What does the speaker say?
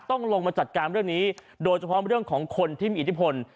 ต้องลงมาจัดการเรื่องนี้โดยเฉพาะเรื่องของคนที่มีอิทธิพล